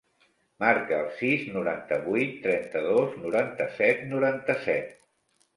Marca el sis, noranta-vuit, trenta-dos, noranta-set, noranta-set.